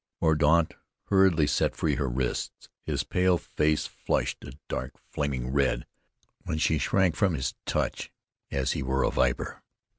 Mordaunt hurriedly set free her wrists. His pale face flushed a dark, flaming red when she shrank from his touch as if he were a viper.